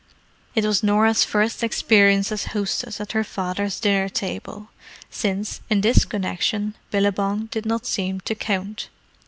It was Norah's first experience as hostess at her father's dinner table—since, in this connexion, Billabong did not seem to count.